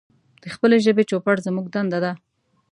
د خپلې ژبې چوپړ زمونږ دنده ده.